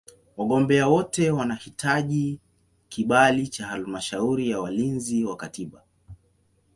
Wagombea wote wanahitaji kibali cha Halmashauri ya Walinzi wa Katiba.